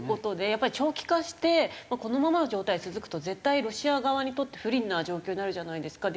やっぱり長期化してこのままの状態が続くと絶対ロシア側にとって不利な状況になるじゃないですか。